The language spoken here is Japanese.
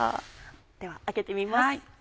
では開けてみます。